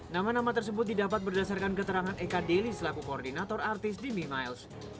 nama nama tersebut didapat berdasarkan keterangan eka deli selaku koordinator artis di mimiles